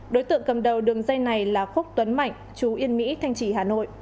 đối tượng cầm đầu đường dây này là khúc tuấn mạnh chú yên mỹ thanh trì hà nội